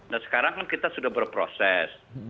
nah sekarang kan kita sudah berproses